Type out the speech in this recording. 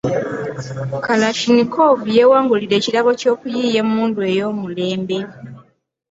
Kalashnikov yeewangulira ekirabo ky’okuyiiya emmundu ey’omulembe.